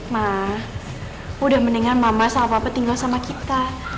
mah udah mendingan mama sama papa tinggal sama kita